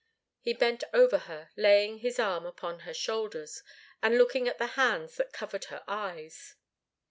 He bent over her, laying his arm upon her shoulders, and looking at the hands that covered her eyes.